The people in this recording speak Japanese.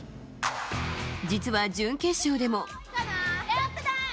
実は準決勝でも。